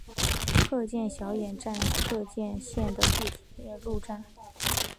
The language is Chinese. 鹤见小野站鹤见线的铁路车站。